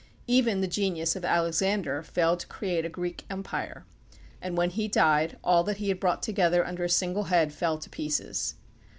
Even the genius of Alex ander failed to create a Greek empire, and when he died all that he had brought together under a single head fell to pieces.